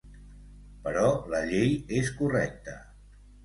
Però la llei és correcta.